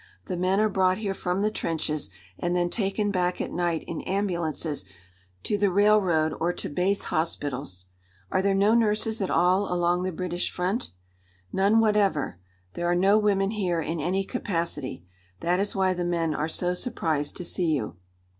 The men are brought here from the trenches, and then taken back at night in ambulances to the railroad or to base hospitals." "Are there no nurses at all along the British front?" "None whatever. There are no women here in any capacity. That is why the men are so surprised to see you."